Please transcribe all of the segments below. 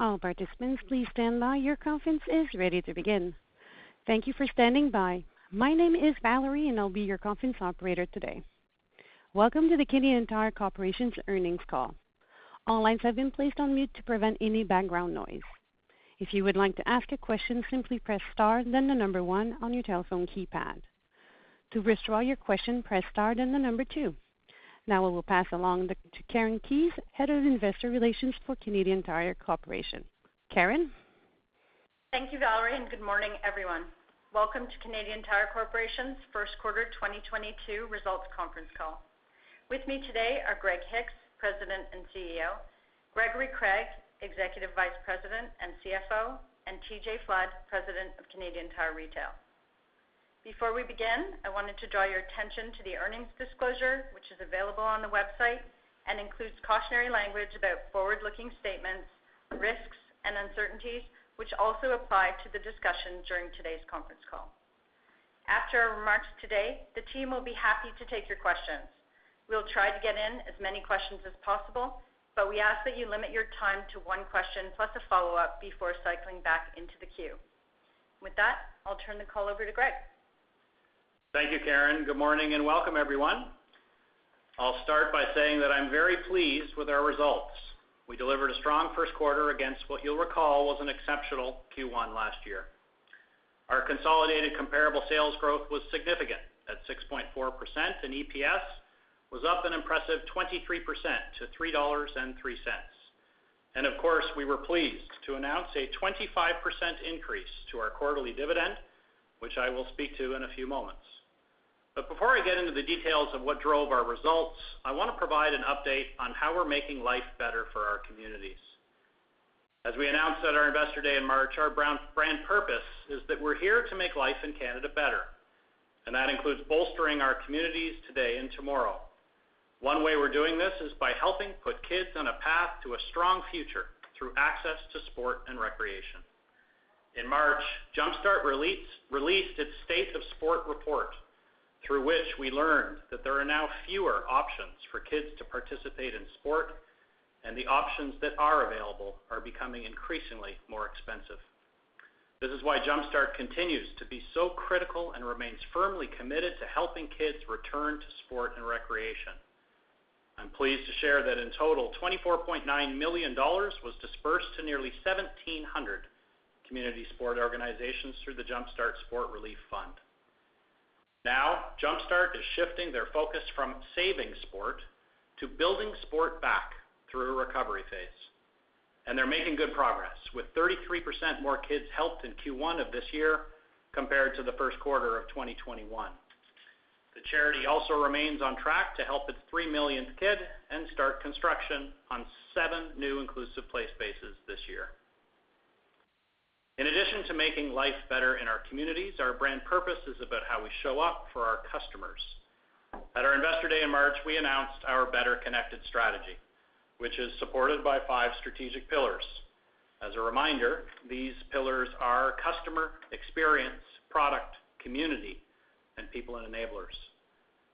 Thank you for standing by. My name is Valerie, and I'll be your conference operator today. Welcome to the Canadian Tire Corporation's Earnings Call. All lines have been placed on mute to prevent any background noise. If you would like to ask a question, simply press star then the number one on your telephone keypad. To withdraw your question, press star then the number two. Now we will pass it along to Karen Keyes, Head of Investor Relations for Canadian Tire Corporation. Karen. Thank you, Valerie, and good morning, everyone. Welcome to Canadian Tire Corporation's first quarter 2022 results conference call. With me today are Greg Hicks, President and CEO, Gregory Craig, Executive Vice President and CFO, and TJ Flood, President of Canadian Tire Retail. Before we begin, I wanted to draw your attention to the earnings disclosure, which is available on the website and includes cautionary language about forward-looking statements, risks, and uncertainties, which also apply to the discussion during today's conference call. After our remarks today, the team will be happy to take your questions. We'll try to get in as many questions as possible, but we ask that you limit your time to one question plus a follow-up before cycling back into the queue. With that, I'll turn the call over to Greg. Thank you, Karen. Good morning and welcome, everyone. I'll start by saying that I'm very pleased with our results. We delivered a strong first quarter against what you'll recall was an exceptional Q1 last year. Our consolidated comparable sales growth was significant at 6.4%, and EPS was up an impressive 23% to 3.03 dollars. Of course, we were pleased to announce a 25% increase to our quarterly dividend, which I will speak to in a few moments. Before I get into the details of what drove our results, I want to provide an update on how we're making life better for our communities. As we announced at our Investor Day in March, our brand purpose is that we're here to make life in Canada better, and that includes bolstering our communities today and tomorrow. One way we're doing this is by helping put kids on a path to a strong future through access to sport and recreation. In March, Jumpstart released its State of Sport report, through which we learned that there are now fewer options for kids to participate in sport, and the options that are available are becoming increasingly more expensive. This is why Jumpstart continues to be so critical and remains firmly committed to helping kids return to sport and recreation. I'm pleased to share that in total, 24.9 million dollars was dispersed to nearly 1,700 community sport organizations through the Jumpstart Sport Relief Fund. Now, Jumpstart is shifting their focus from saving sport to building sport back through a recovery phase, and they're making good progress, with 33% more kids helped in Q1 of this year compared to the first quarter of 2021. The charity also remains on track to help its three millionth kid and start construction on seven new inclusive play spaces this year. In addition to making life better in our communities, our brand purpose is about how we show up for our customers. At our Investor Day in March, we announced our Better Connected strategy, which is supported by five strategic pillars. As a reminder, these pillars are customer, experience, product, community, and people and enablers.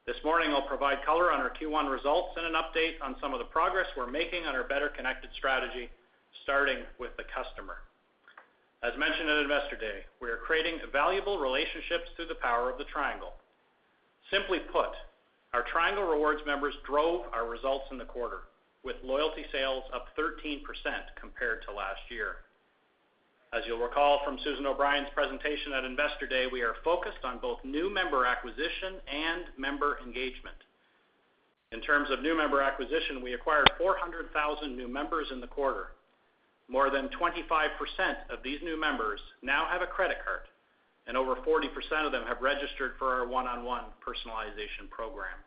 This morning, I'll provide color on our Q1 results and an update on some of the progress we're making on our Better Connected strategy, starting with the customer. As mentioned at Investor Day, we are creating valuable relationships through the power of the Triangle. Simply put, our Triangle Rewards members drove our results in the quarter, with loyalty sales up 13% compared to last year. As you'll recall from Susan O'Brien's presentation at Investor Day, we are focused on both new member acquisition and member engagement. In terms of new member acquisition, we acquired 400,000 new members in the quarter. More than 25% of these new members now have a credit card, and over 40% of them have registered for our one-on-one personalization program.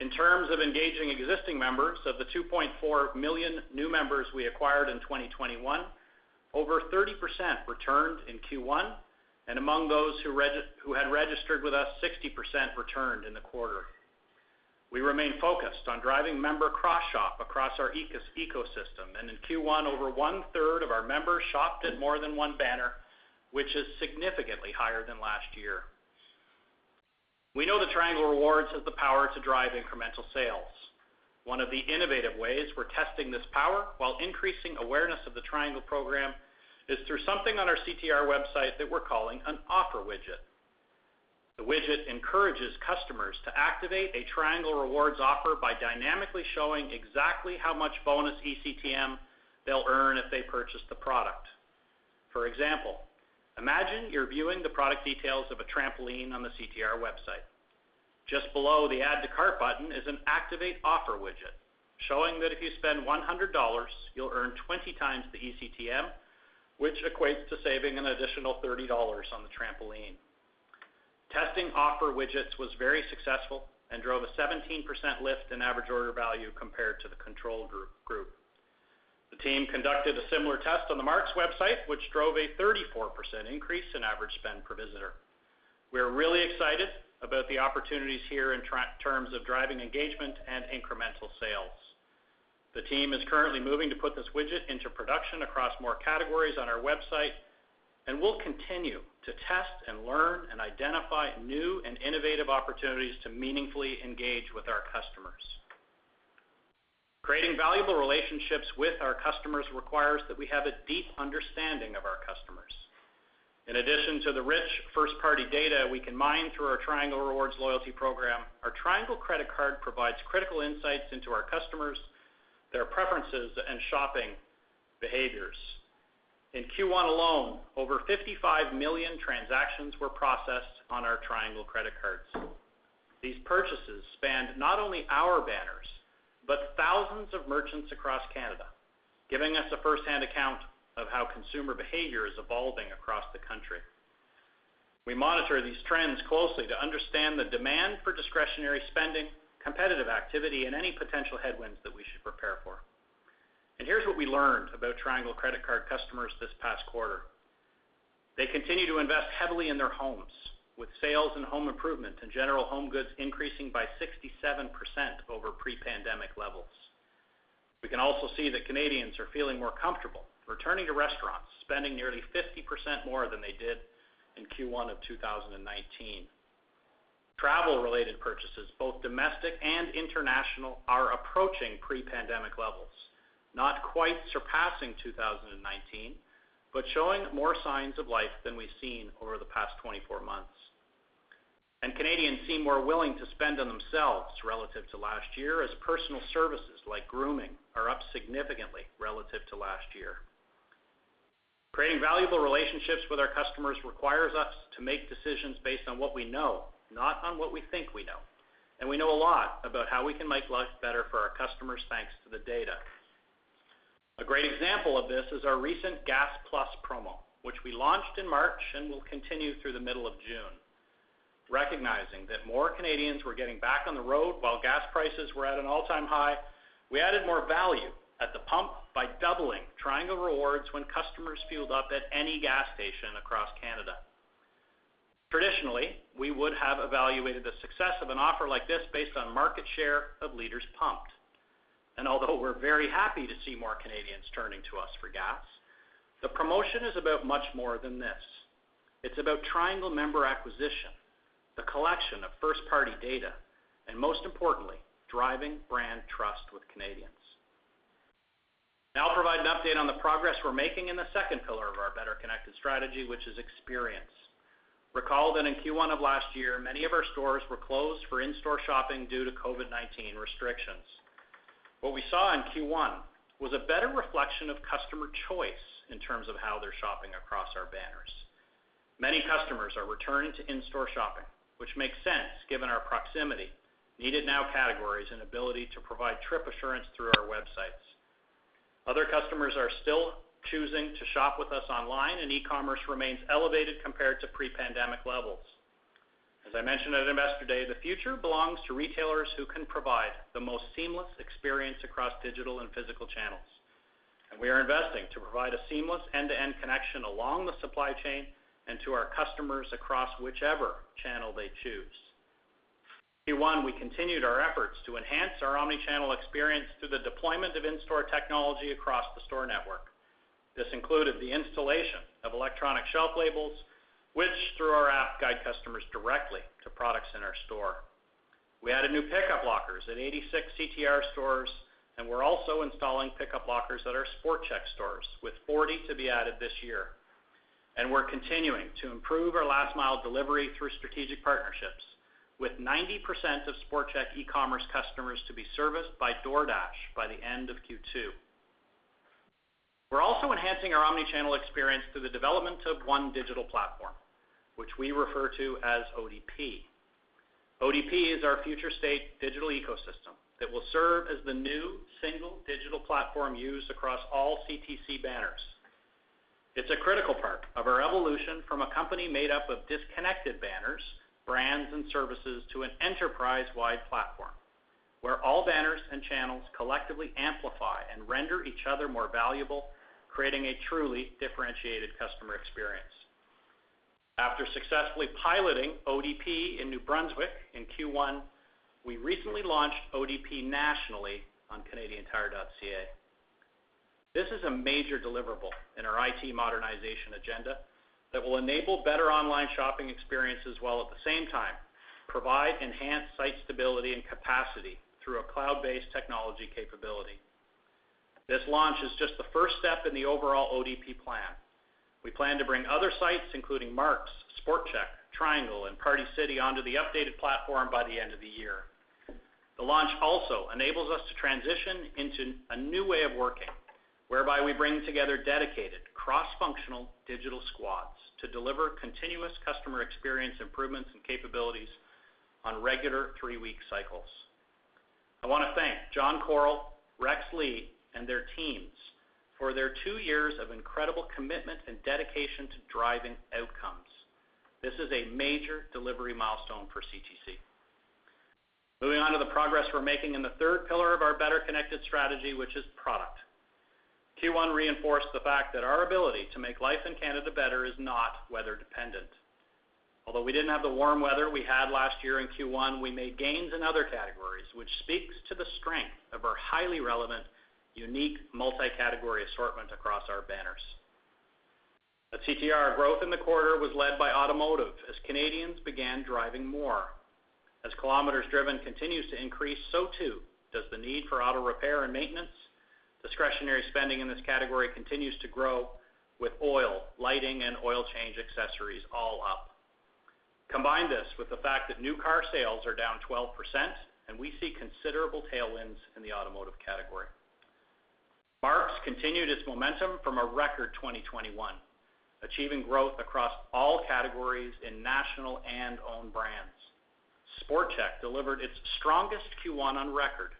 In terms of engaging existing members, of the 2.4 million new members we acquired in 2021, over 30% returned in Q1, and among those who had registered with us, 60% returned in the quarter. We remain focused on driving member cross-shop across our ecosystem, and in Q1, over 1/3 of our members shopped at more than one banner, which is significantly higher than last year. We know the Triangle Rewards has the power to drive incremental sales. One of the innovative ways we're testing this power while increasing awareness of the Triangle program is through something on our CTR website that we're calling an offer widget. The widget encourages customers to activate a Triangle Rewards offer by dynamically showing exactly how much bonus ECTM they'll earn if they purchase the product. For example, imagine you're viewing the product details of a trampoline on the CTR website. Just below the Add to Cart button is an Activate Offer widget, showing that if you spend 100 dollars, you'll earn 20x the ECTM, which equates to saving an additional 30 dollars on the trampoline. Testing offer widgets was very successful and drove a 17% lift in average order value compared to the control group. The team conducted a similar test on the Mark's website, which drove a 34% increase in average spend per visitor. We are really excited about the opportunities here in terms of driving engagement and incremental sales. The team is currently moving to put this widget into production across more categories on our website. We'll continue to test and learn and identify new and innovative opportunities to meaningfully engage with our customers. Creating valuable relationships with our customers requires that we have a deep understanding of our customers. In addition to the rich first-party data we can mine through our Triangle Rewards loyalty program, our Triangle Credit Card provides critical insights into our customers, their preferences, and shopping behaviors. In Q1 alone, over 55 million transactions were processed on our Triangle Credit Cards. These purchases spanned not only our banners, but thousands of merchants across Canada, giving us a firsthand account of how consumer behavior is evolving across the country. We monitor these trends closely to understand the demand for discretionary spending, competitive activity, and any potential headwinds that we should prepare for. Here's what we learned about Triangle Credit Card customers this past quarter. They continue to invest heavily in their homes, with sales in home improvement and general home goods increasing by 67% over pre-pandemic levels. We can also see that Canadians are feeling more comfortable returning to restaurants, spending nearly 50% more than they did in Q1 of 2019. Travel-related purchases, both domestic and international, are approaching pre-pandemic levels, not quite surpassing 2019, but showing more signs of life than we've seen over the past 24 months. Canadians seem more willing to spend on themselves relative to last year, as personal services like grooming are up significantly relative to last year. Creating valuable relationships with our customers requires us to make decisions based on what we know, not on what we think we know, and we know a lot about how we can make life better for our customers, thanks to the data. A great example of this is our recent Gas+ promo, which we launched in March and will continue through the middle of June. Recognizing that more Canadians were getting back on the road while gas prices were at an all-time high, we added more value at the pump by doubling Triangle Rewards when customers fueled up at any gas station across Canada. Traditionally, we would have evaluated the success of an offer like this based on market share of liters pumped. Although we're very happy to see more Canadians turning to us for gas, the promotion is about much more than this. It's about Triangle member acquisition, the collection of first-party data, and most importantly, driving brand trust with Canadians. Now I'll provide an update on the progress we're making in the second pillar of our Better Connected strategy, which is experience. Recall that in Q1 of last year, many of our stores were closed for in-store shopping due to COVID-19 restrictions. What we saw in Q1 was a better reflection of customer choice in terms of how they're shopping across our banners. Many customers are returning to in-store shopping, which makes sense given our proximity, need it now categories, and ability to provide trip assurance through our websites. Other customers are still choosing to shop with us online, and e-commerce remains elevated compared to pre-pandemic levels. As I mentioned at Investor Day, the future belongs to retailers who can provide the most seamless experience across digital and physical channels, and we are investing to provide a seamless end-to-end connection along the supply chain and to our customers across whichever channel they choose. In Q1, we continued our efforts to enhance our omnichannel experience through the deployment of in-store technology across the store network. This included the installation of electronic shelf labels, which, through our app, guide customers directly to products in our store. We added new pickup lockers at 86 CTR stores, and we're also installing pickup lockers at our Sport Chek stores, with 40 to be added this year. We're continuing to improve our last mile delivery through strategic partnerships, with 90% of Sport Chek e-commerce customers to be serviced by DoorDash by the end of Q2. We're also enhancing our omni-channel experience through the development of One Digital Platform, which we refer to as ODP. ODP is our future state digital ecosystem that will serve as the new single digital platform used across all CTC banners. It's a critical part of our evolution from a company made up of disconnected banners, brands, and services to an enterprise-wide platform, where all banners and channels collectively amplify and render each other more valuable, creating a truly differentiated customer experience. After successfully piloting ODP in New Brunswick in Q1, we recently launched ODP nationally on canadiantire.ca. This is a major deliverable in our IT modernization agenda that will enable better online shopping experiences while at the same time provide enhanced site stability and capacity through a cloud-based technology capability. This launch is just the first step in the overall ODP plan. We plan to bring other sites, including Mark's, Sport Chek, Triangle, and Party City, onto the updated platform by the end of the year. The launch also enables us to transition into a new way of working, whereby we bring together dedicated cross-functional digital squads to deliver continuous customer experience improvements and capabilities on regular three-week cycles. I want to thank John Koryl, Rex Lee, and their teams for their two years of incredible commitment and dedication to driving outcomes. This is a major delivery milestone for CTC. Moving on to the progress we're making in the third pillar of our Better Connected strategy, which is product. Q1 reinforced the fact that our ability to make life in Canada better is not weather dependent. Although we didn't have the warm weather we had last year in Q1, we made gains in other categories, which speaks to the strength of our highly relevant, unique multi-category assortment across our banners. The CTR growth in the quarter was led by automotive as Canadians began driving more. As kilometers driven continues to increase, so too does the need for auto repair and maintenance. Discretionary spending in this category continues to grow with oil, lighting, and oil change accessories all up. Combine this with the fact that new car sales are down 12%, and we see considerable tailwinds in the automotive category. Mark's continued its momentum from a record 2021, achieving growth across all categories in national and owned brands. Sport Chek delivered its strongest Q1 on record,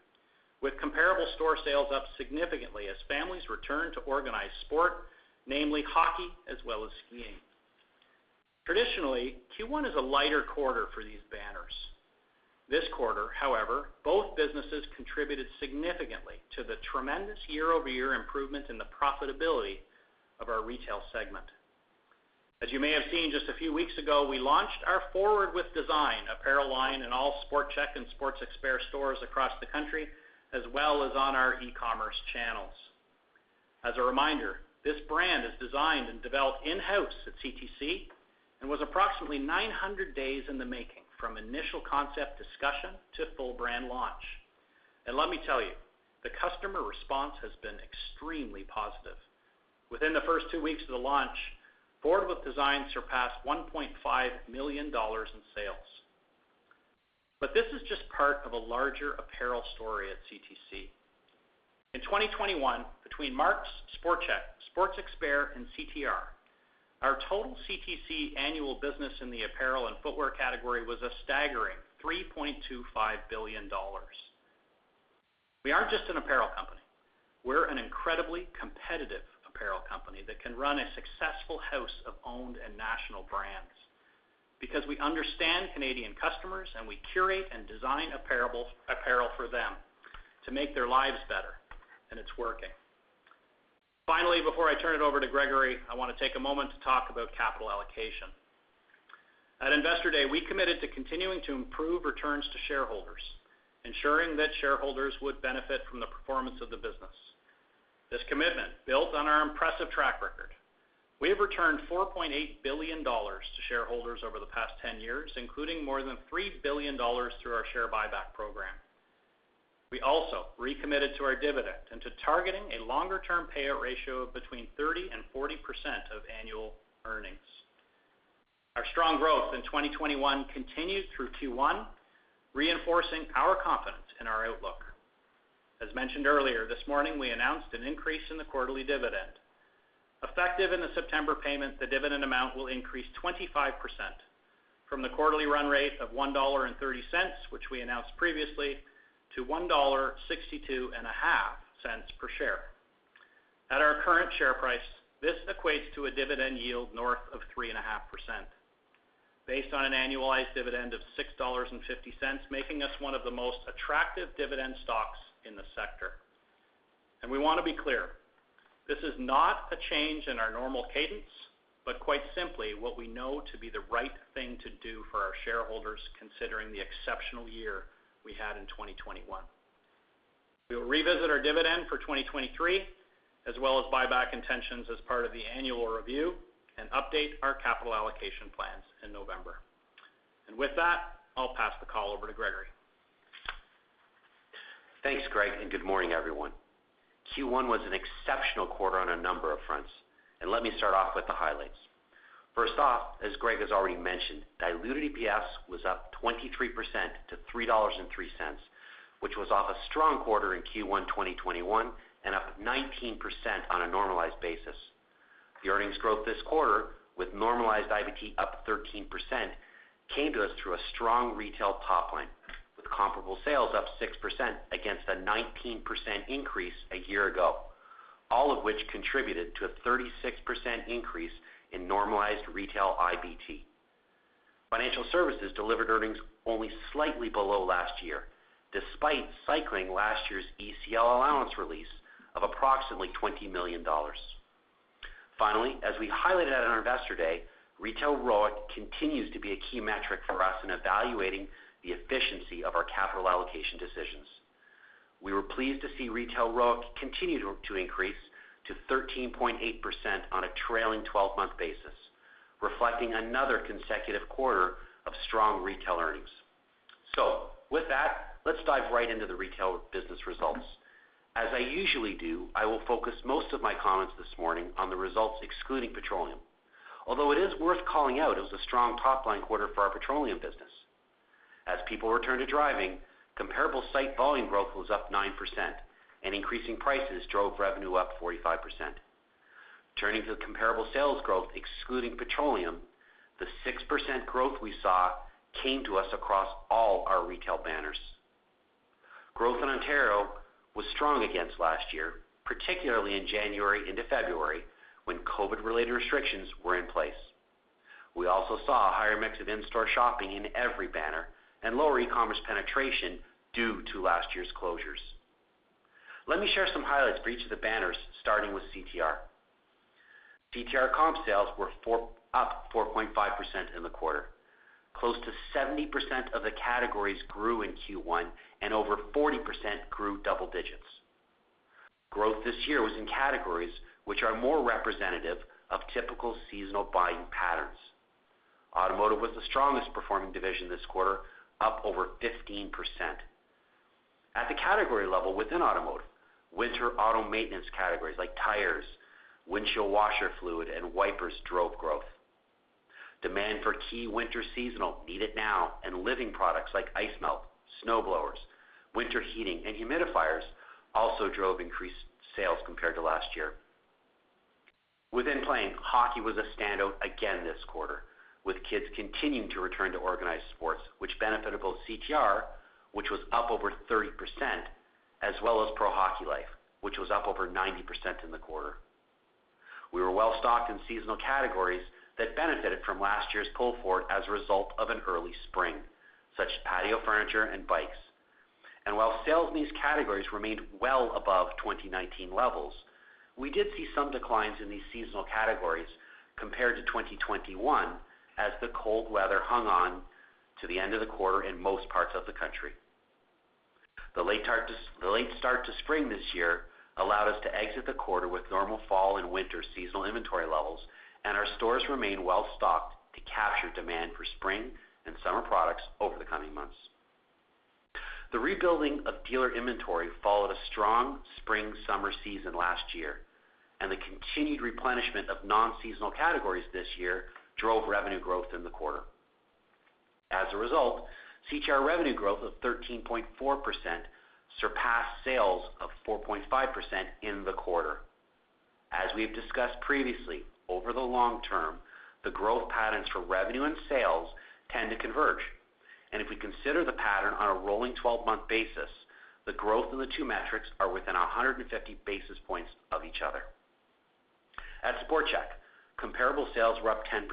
with comparable store sales up significantly as families return to organized sport, namely hockey, as well as skiing. Traditionally, Q1 is a lighter quarter for these banners. This quarter, however, both businesses contributed significantly to the tremendous year-over-year improvement in the profitability of our retail segment. As you may have seen just a few weeks ago, we launched our Forward With Design apparel line in all Sport Chek and Sports Experts stores across the country, as well as on our e-commerce channels. As a reminder, this brand is designed and developed in-house at CTC and was approximately 900 days in the making from initial concept discussion to full brand launch. Let me tell you, the customer response has been extremely positive. Within the first two weeks of the launch, Forward With Design surpassed 1.5 million dollars in sales. This is just part of a larger apparel story at CTC. In 2021, between Mark's, Sport Chek, Sports Experts, and CTR, our total CTC annual business in the apparel and footwear category was a staggering 3.25 billion dollars. We aren't just an apparel company. We're an incredibly competitive apparel company that can run a successful house of owned and national brands because we understand Canadian customers, and we curate and design apparel for them to make their lives better, and it's working. Finally, before I turn it over to Gregory, I want to take a moment to talk about capital allocation. At Investor Day, we committed to continuing to improve returns to shareholders, ensuring that shareholders would benefit from the performance of the business. This commitment built on our impressive track record. We have returned $4.8 billion to shareholders over the past 10 years, including more than $3 billion through our share buyback program. We also recommitted to our dividend and to targeting a longer-term payout ratio of between 30% and 40% of annual earnings. Our strong growth in 2021 continued through Q1, reinforcing our confidence in our outlook. As mentioned earlier this morning, we announced an increase in the quarterly dividend. Effective in the September payment, the dividend amount will increase 25% from the quarterly run rate of $1.30, which we announced previously, to $1.625 per share. At our current share price, this equates to a dividend yield north of 3.5% based on an annualized dividend of $6.50, making us one of the most attractive dividend stocks in the sector. We want to be clear, this is not a change in our normal cadence, but quite simply what we know to be the right thing to do for our shareholders considering the exceptional year we had in 2021. We'll revisit our dividend for 2023 as well as buyback intentions as part of the annual review and update our capital allocation plans in November. With that, I'll pass the call over to Gregory Craig. Thanks, Greg, and good morning, everyone. Q1 was an exceptional quarter on a number of fronts, and let me start off with the highlights. First off, as Greg has already mentioned, diluted EPS was up 23% to $3.03, which was off a strong quarter in Q1 2021 and up 19% on a normalized basis. The earnings growth this quarter with normalized IBT up 13% came to us through a strong retail top line, with comparable sales up 6% against a 19% increase a year ago, all of which contributed to a 36% increase in normalized retail IBT. Financial services delivered earnings only slightly below last year, despite cycling last year's ECL allowance release of approximately $20 million. Finally, as we highlighted at our Investor Day, retail ROIC continues to be a key metric for us in evaluating the efficiency of our capital allocation decisions. We were pleased to see retail ROIC continue to increase to 13.8% on a trailing twelve-month basis, reflecting another consecutive quarter of strong retail earnings. With that, let's dive right into the retail business results. As I usually do, I will focus most of my comments this morning on the results excluding petroleum. Although it is worth calling out, it was a strong top-line quarter for our petroleum business. As people return to driving, comparable site volume growth was up 9% and increasing prices drove revenue up 45%. Turning to the comparable sales growth excluding petroleum, the 6% growth we saw came to us across all our retail banners. Growth in Ontario was strong against last year, particularly in January into February, when COVID-related restrictions were in place. We also saw a higher mix of in-store shopping in every banner and lower e-commerce penetration due to last year's closures. Let me share some highlights for each of the banners, starting with CTR. CTR comp sales were 4%, up 4.5% in the quarter. Close to 70% of the categories grew in Q1, and over 40% grew double digits. Growth this year was in categories which are more representative of typical seasonal buying patterns. Automotive was the strongest performing division this quarter, up over 15%. At the category level within automotive, winter auto maintenance categories like tires, windshield washer fluid, and wipers drove growth. Demand for key winter seasonal need it now and living products like ice melt, snow blowers, winter heating, and humidifiers also drove increased sales compared to last year. Within sporting, hockey was a standout again this quarter, with kids continuing to return to organized sports, which benefited both CTR, which was up over 30%, as well as Pro Hockey Life, which was up over 90% in the quarter. We were well stocked in seasonal categories that benefited from last year's pull forward as a result of an early spring, such as patio furniture and bikes. While sales in these categories remained well above 2019 levels, we did see some declines in these seasonal categories compared to 2021 as the cold weather hung on to the end of the quarter in most parts of the country. The late start to spring this year allowed us to exit the quarter with normal fall and winter seasonal inventory levels, and our stores remain well stocked to capture demand for spring and summer products over the coming months. The rebuilding of dealer inventory followed a strong spring-summer season last year, and the continued replenishment of non-seasonal categories this year drove revenue growth in the quarter. As a result, CTR revenue growth of 13.4% surpassed sales of 4.5% in the quarter. As we have discussed previously, over the long term, the growth patterns for revenue and sales tend to converge. If we consider the pattern on a rolling 12-month basis, the growth in the two metrics are within 150 basis points of each other. At Sport Chek, comparable sales were up 10%,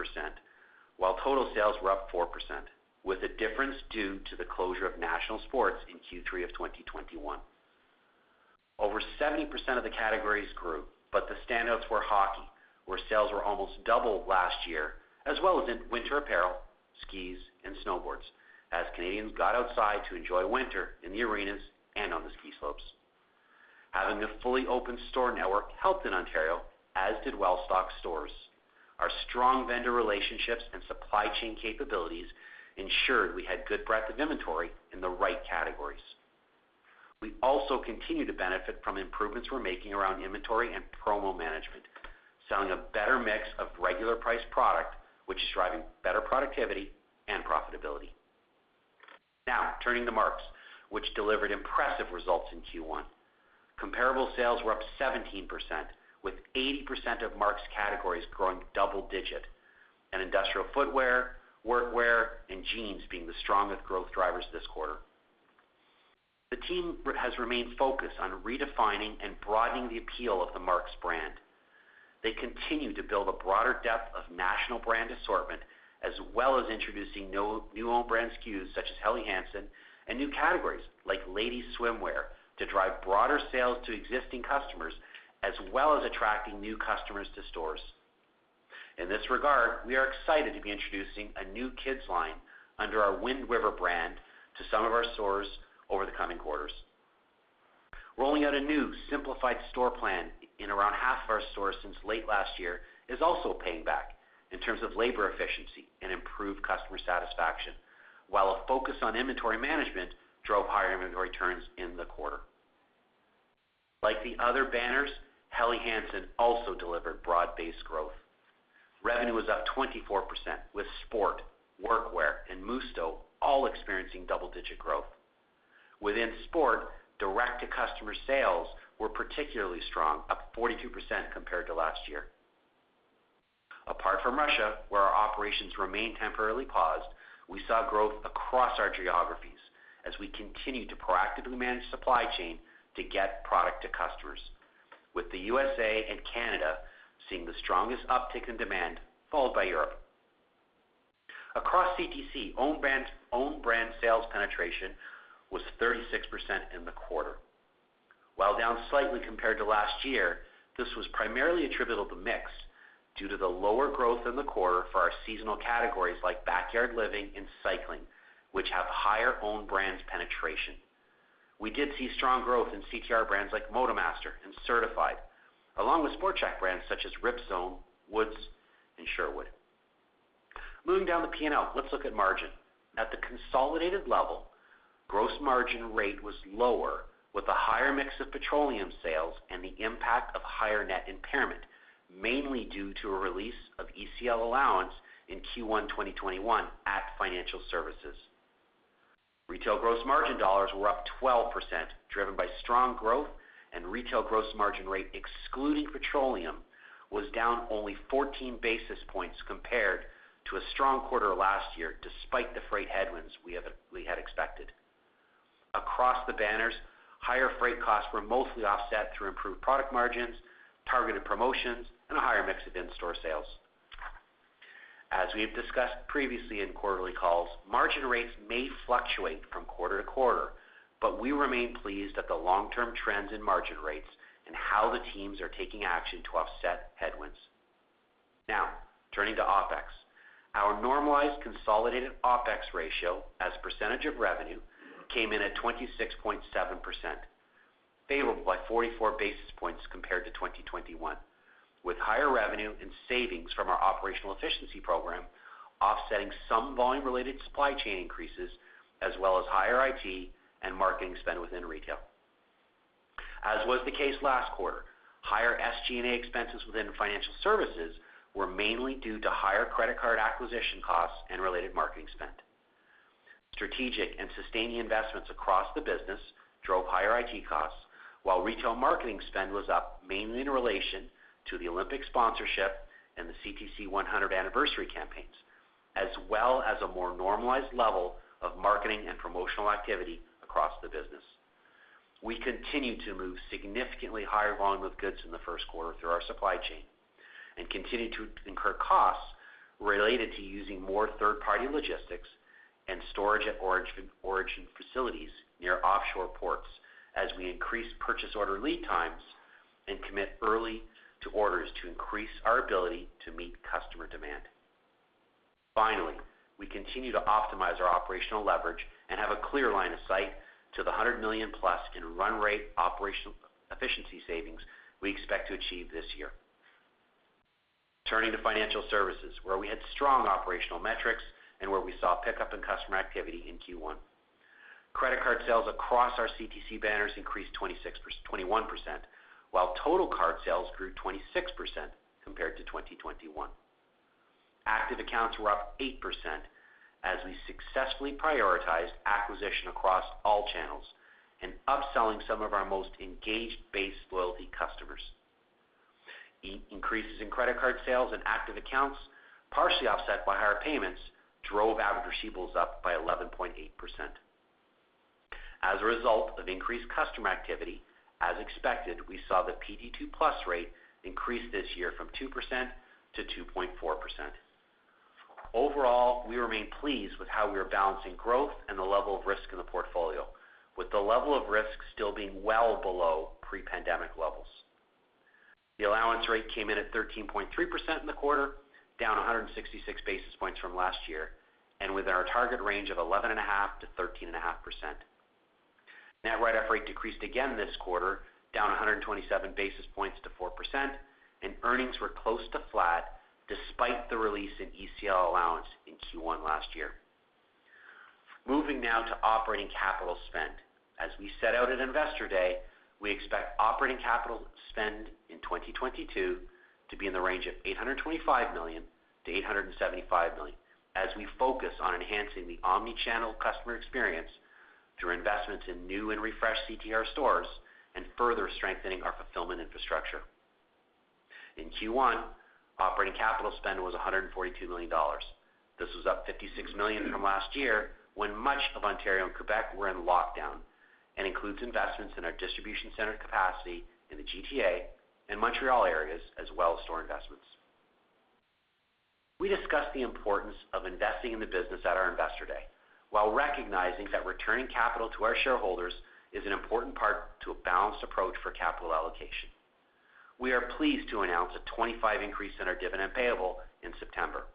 while total sales were up 4%, with the difference due to the closure of National Sports in Q3 of 2021. Over 70% of the categories grew, but the standouts were hockey, where sales were almost double last year, as well as in winter apparel, skis, and snowboards, as Canadians got outside to enjoy winter in the arenas and on the ski slopes. Having a fully open store network helped in Ontario, as did well-stocked stores. Our strong vendor relationships and supply chain capabilities ensured we had good breadth of inventory in the right categories. We also continue to benefit from improvements we're making around inventory and promo management, selling a better mix of regular price product, which is driving better productivity and profitability. Now, turning to Mark's, which delivered impressive results in Q1. Comparable sales were up 17%, with 80% of Mark's categories growing double-digit, and industrial footwear, workwear, and jeans being the strongest growth drivers this quarter. The team has remained focused on redefining and broadening the appeal of the Mark's brand. They continue to build a broader depth of national brand assortment, as well as introducing new own brand SKUs, such as Helly Hansen, and new categories like ladies' swimwear to drive broader sales to existing customers, as well as attracting new customers to stores. In this regard, we are excited to be introducing a new kids line under our WindRiver brand to some of our stores over the coming quarters. Rolling out a new simplified store plan in around half of our stores since late last year is also paying back in terms of labor efficiency and improved customer satisfaction, while a focus on inventory management drove higher inventory turns in the quarter. Like the other banners, Helly Hansen also delivered broad-based growth. Revenue was up 24% with sport, workwear, and Musto all experiencing double-digit growth. Within sport, direct-to-customer sales were particularly strong, up 42% compared to last year. Apart from Russia, where our operations remain temporarily paused, we saw growth across our geographies as we continue to proactively manage supply chain to get product to customers, with the U.S. and Canada seeing the strongest uptick in demand, followed by Europe. Across CTC, own brands, own brand sales penetration was 36% in the quarter. While down slightly compared to last year, this was primarily attributable to mix due to the lower growth in the quarter for our seasonal categories like backyard living and cycling, which have higher own brands penetration. We did see strong growth in CTR brands like MotoMaster and Certified, along with Sport Chek brands such as Ripzone, Woods, and Sherwood. Moving down the P&L, let's look at margin. At the consolidated level, gross margin rate was lower with a higher mix of petroleum sales and the impact of higher net impairment, mainly due to a release of ECL allowance in Q1 2021 at Financial Services. Retail gross margin dollars were up 12%, driven by strong growth and retail gross margin rate excluding petroleum was down only 14 basis points compared to a strong quarter last year despite the freight headwinds we had expected. Across the banners, higher freight costs were mostly offset through improved product margins, targeted promotions, and a higher mix of in-store sales. As we have discussed previously in quarterly calls, margin rates may fluctuate from quarter to quarter, but we remain pleased at the long-term trends in margin rates and how the teams are taking action to offset headwinds. Now, turning to OpEx. Our normalized consolidated OpEx ratio as a percentage of revenue came in at 26.7%, favorable by 44 basis points compared to 2021, with higher revenue and savings from our operational efficiency program offsetting some volume-related supply chain increases as well as higher IT and marketing spend within retail. As was the case last quarter, higher SG&A expenses within financial services were mainly due to higher credit card acquisition costs and related marketing spend. Strategic and sustaining investments across the business drove higher IT costs, while retail marketing spend was up mainly in relation to the Olympic sponsorship and the CTC 100 anniversary campaigns, as well as a more normalized level of marketing and promotional activity across the business. We continue to move significantly higher volume of goods in the first quarter through our supply chain and continue to incur costs related to using more third-party logistics and storage at origin facilities near offshore ports as we increase purchase order lead times and commit early to orders to increase our ability to meet customer demand. Finally, we continue to optimize our operational leverage and have a clear line of sight to 100 million-plus in run rate operational efficiency savings we expect to achieve this year. Turning to financial services, where we had strong operational metrics and where we saw a pickup in customer activity in Q1. Credit card sales across our CTC banners increased 26%, 21%, while total card sales grew 26% compared to 2021. Active accounts were up 8% as we successfully prioritized acquisition across all channels and upselling some of our most engaged base loyalty customers. Increases in credit card sales and active accounts, partially offset by higher payments, drove average receivables up by 11.8%. As a result of increased customer activity, as expected, we saw the PD2+ rate increase this year from 2%-2.4%. Overall, we remain pleased with how we are balancing growth and the level of risk in the portfolio, with the level of risk still being well below pre-pandemic levels. The allowance rate came in at 13.3% in the quarter, down 166 basis points from last year, and within our target range of 11.5%-13.5%. Net write-off rate decreased again this quarter, down 127 basis points to 4%, and earnings were close to flat despite the release in ECL allowance in Q1 last year. Moving now to operating capital spend. As we set out at Investor Day, we expect operating capital spend in 2022 to be in the range of $825 million-$875 million as we focus on enhancing the omni-channel customer experience through investments in new and refreshed CTR stores and further strengthening our fulfillment infrastructure. In Q1, operating capital spend was $142 million. This was up 56 million from last year when much of Ontario and Quebec were in lockdown and includes investments in our distribution center capacity in the GTA and Montreal areas as well as store investments. We discussed the importance of investing in the business at our Investor Day while recognizing that returning capital to our shareholders is an important part of a balanced approach for capital allocation. We are pleased to announce a 25% increase in our dividend payable in September,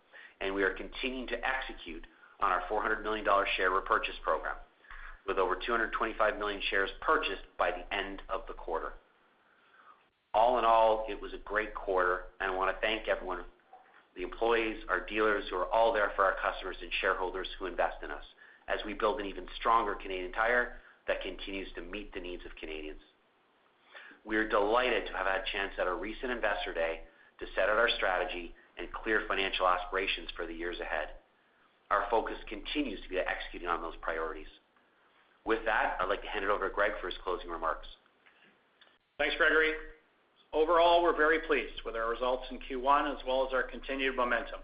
and we are continuing to execute on our 400 million dollar share repurchase program with over 225 million shares purchased by the end of the quarter. All in all, it was a great quarter, and I want to thank everyone, the employees, our dealers who are all there for our customers and shareholders who invest in us as we build an even stronger Canadian Tire that continues to meet the needs of Canadians. We are delighted to have had a chance at our recent Investor Day to set out our strategy and clear financial aspirations for the years ahead. Our focus continues to be on executing on those priorities. With that, I'd like to hand it over to Greg for his closing remarks. Thanks, Gregory. Overall, we're very pleased with our results in Q1 as well as our continued momentum.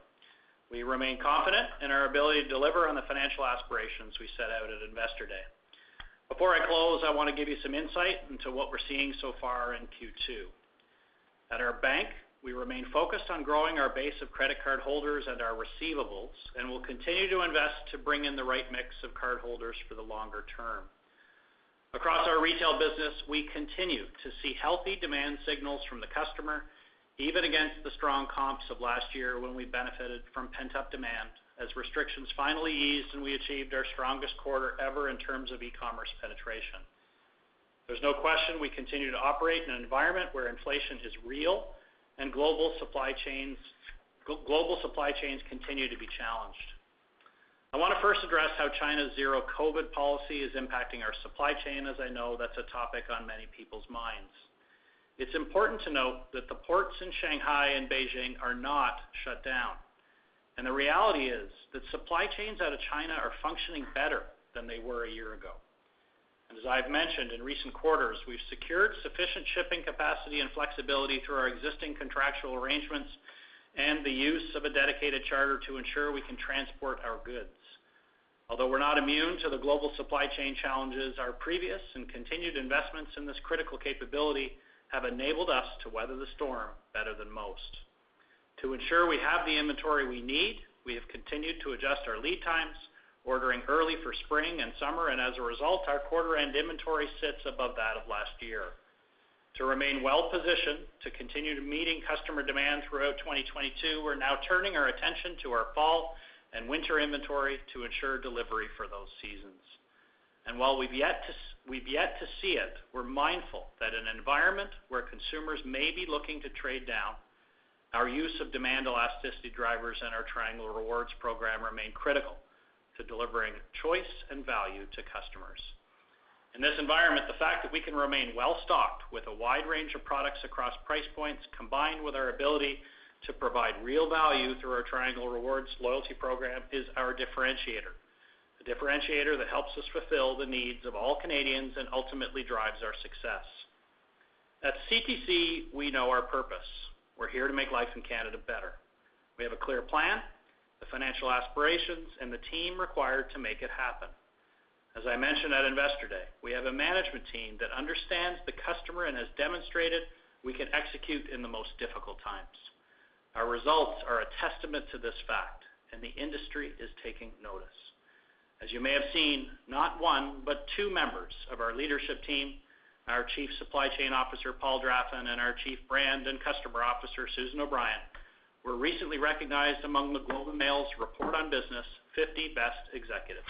We remain confident in our ability to deliver on the financial aspirations we set out at Investor Day. Before I close, I want to give you some insight into what we're seeing so far in Q2. At our bank, we remain focused on growing our base of credit card holders and our receivables, and we'll continue to invest to bring in the right mix of cardholders for the longer term. Across our retail business, we continue to see healthy demand signals from the customer, even against the strong comps of last year when we benefited from pent-up demand as restrictions finally eased and we achieved our strongest quarter ever in terms of e-commerce penetration. There's no question we continue to operate in an environment where inflation is real and global supply chains continue to be challenged. I want to first address how China's zero COVID policy is impacting our supply chain, as I know that's a topic on many people's minds. It's important to note that the ports in Shanghai and Beijing are not shut down, and the reality is that supply chains out of China are functioning better than they were a year ago. As I've mentioned in recent quarters, we've secured sufficient shipping capacity and flexibility through our existing contractual arrangements and the use of a dedicated charter to ensure we can transport our goods. Although we're not immune to the global supply chain challenges, our previous and continued investments in this critical capability have enabled us to weather the storm better than most. To ensure we have the inventory we need, we have continued to adjust our lead times, ordering early for spring and summer, and as a result, our quarter end inventory sits above that of last year. To remain well-positioned to continue meeting customer demand throughout 2022, we're now turning our attention to our fall and winter inventory to ensure delivery for those seasons. While we've yet to see it, we're mindful that an environment where consumers may be looking to trade down, our use of demand elasticity drivers and our Triangle Rewards program remain critical to delivering choice and value to customers. In this environment, the fact that we can remain well stocked with a wide range of products across price points, combined with our ability to provide real value through our Triangle Rewards loyalty program, is our differentiator. A differentiator that helps us fulfill the needs of all Canadians and ultimately drives our success. At CTC, we know our purpose. We're here to make life in Canada better. We have a clear plan, the financial aspirations and the team required to make it happen. As I mentioned at Investor Day, we have a management team that understands the customer and has demonstrated we can execute in the most difficult times. Our results are a testament to this fact, and the industry is taking notice. As you may have seen, not one, but two members of our leadership team, our Chief Supply Chain Officer, Paul Draffin, and our Chief Brand and Customer Officer, Susan O'Brien, were recently recognized among The Globe and Mail's Report on Business 50 Best Executives.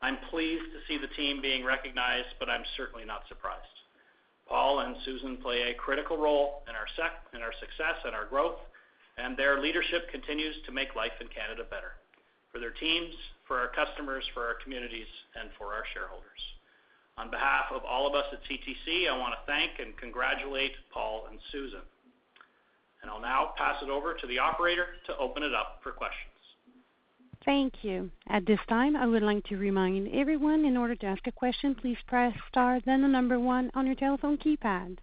I'm pleased to see the team being recognized, but I'm certainly not surprised. Paul and Susan play a critical role in our success and our growth, and their leadership continues to make life in Canada better for their teams, for our customers, for our communities, and for our shareholders. On behalf of all of us at CTC, I wanna thank and congratulate Paul and Susan. I'll now pass it over to the operator to open it up for questions. Thank you. At this time, I would like to remind everyone, in order to ask a question, please press star, then the number one on your telephone keypad.